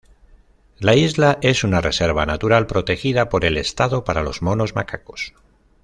La isla es una reserva natural protegida por el estado para los monos macacos.